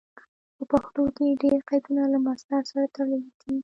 په پښتو کې ډېر قیدونه له مصدر سره تړلي دي.